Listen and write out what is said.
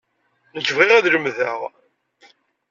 Nekk bɣiɣ ad lemdeɣ.